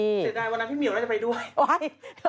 เสียดายวันนั้นพี่เหี่ยวน่าจะไปด้วยว้าย